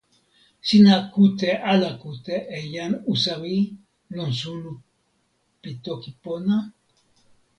sina kute ala kute e jan Usawi lon suno pi toki pona?